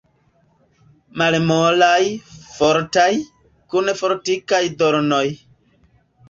Malmolaj, fortaj, kun fortikaj dornoj.